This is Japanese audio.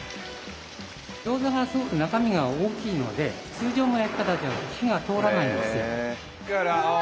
餃子がすごく中身が大きいので通常の焼き方だとやっぱ火が通らないんですよ。